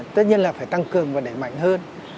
tất nhiên là phải tăng cường và đẩy mạnh hơn